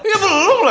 iya belum lah